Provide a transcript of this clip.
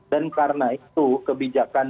dan karena itu kebijakan